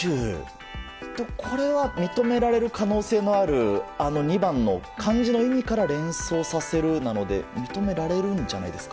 これは、認められる可能性のある２番の、漢字の意味から連想させるなので認められるんじゃないですか。